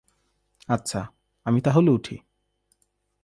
আচ্ছা, আমি তাহলে উঠি।